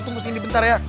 gue tunggu sini bentar ya